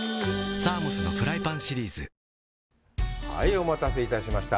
お待たせいたしました。